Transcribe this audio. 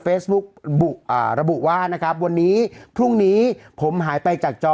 ระบุระบุว่านะครับวันนี้พรุ่งนี้ผมหายไปจากจอ